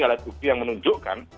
alat bukti yang menunjukkan